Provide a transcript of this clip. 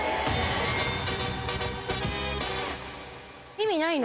意味ないの？